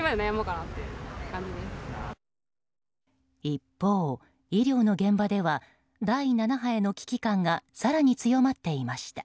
一方、医療の現場では第７波への危機感が更に強まっていました。